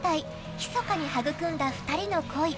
ひそかに育んだ２人の恋。